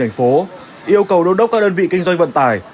thành phố yêu cầu đôn đốc các đơn vị kinh doanh vận tải